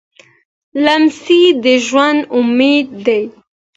لمسی د ژوند امید دی.